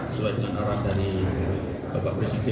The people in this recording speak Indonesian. sesuai dengan arah dari bapak presiden